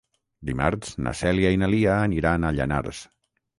Dimarts na Cèlia i na Lia aniran a Llanars.